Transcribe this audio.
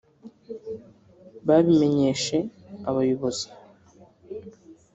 “babimenyeshe ubuyobozi